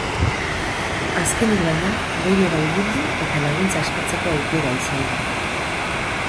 Azkenik, baina, leihora hurbildu eta laguntza eskatzeko aukera izan du.